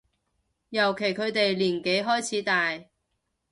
尤其佢哋年紀開始大